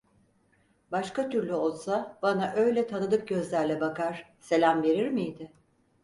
Başka türlü olsa bana öyle tanıdık gözlerle bakar, selam verir miydi?